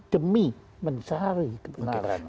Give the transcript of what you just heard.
demi mencari kebenaran